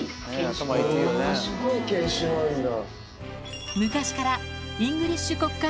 賢い犬種なんだ。